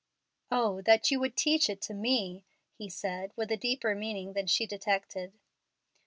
"O that you would teach it to me!" he said, with a deeper meaning than she detected.